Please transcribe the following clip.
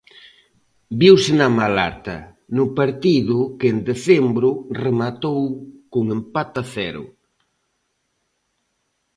Viuse na Malata, no partido que en decembro rematou con empate a cero.